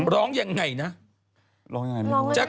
ร้องอย่างไรนะ